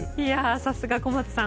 さすが小松さん。